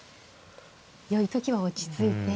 よい時は落ち着いて。